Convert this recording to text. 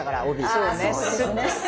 あそうですね。